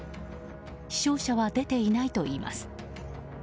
死傷者は出ていないといいます。